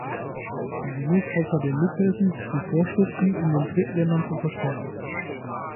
Sie muss außerdem mithelfen, die Vorschriften in den Drittländern zu verstärken.